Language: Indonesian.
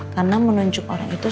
karena menunjuk orang itu